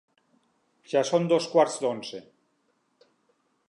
Ja són dos quarts d'onze.